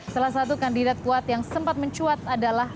salah satu kandidat kuat yang sempat mencuat adalah